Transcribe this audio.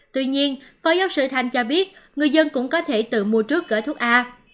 tuy nhiên phó giáo sư thanh cho biết người dân cũng có thể tự mua trước gói thuốc a